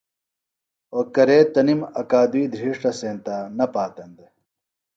او کرے تنِم اکادُئی دھرِیݜٹہ سینتہ نہ پاتن دےۡ